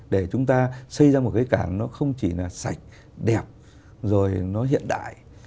để chúng ta xây ra một cái cảng nó không chỉ là sạch đẹp rồi nó hiện đại